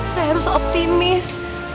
saya harus optimis